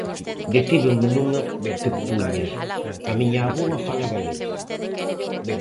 Detívenme nunha que puña: A miña avoa fala galego.